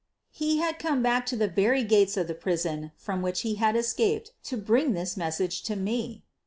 He had come back to the very gates of the prison from which he had escaped to bring this message to me!